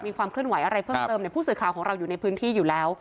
ความเคลื่อนไหวอะไรเพิ่มเติมผู้สื่อข่าวของเราอยู่ในพื้นที่อยู่แล้ว